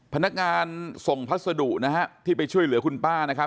พนักงานส่งพัสดุที่ไปช่วยเหลือคุณป้า